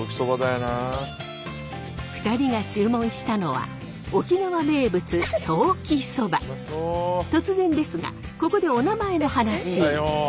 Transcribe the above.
２人が注文したのは突然ですがここでお名前の話！